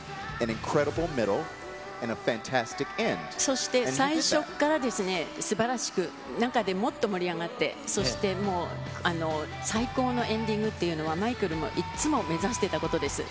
そして最初っからですね、すばらしく、中でもっと盛り上がって、そしてもう、最高のエンディングっていうのは、マイケルもいつも目指していたことです。